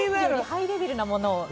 ハイレベルなものを。